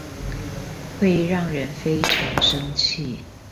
會讓人非常生氣